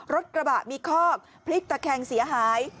รถกระบะมีคอกพลิกตะแคงเสียหาย